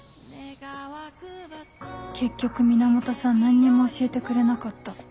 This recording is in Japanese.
結局源さん何にも教えてくれなかった